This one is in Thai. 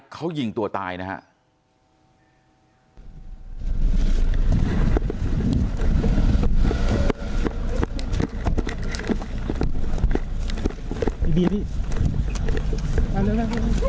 เขาหยิงตัวตายนะฮะ